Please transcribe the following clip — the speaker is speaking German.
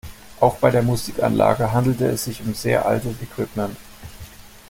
Auch bei der Musikanlage handelte es sich um sehr altes Equipment.